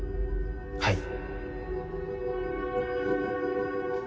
はい。